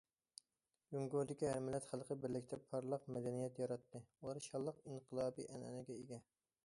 جۇڭگودىكى ھەر مىللەت خەلقى بىرلىكتە پارلاق مەدەنىيەت ياراتتى، ئۇلار شانلىق ئىنقىلابىي ئەنئەنىگە ئىگە.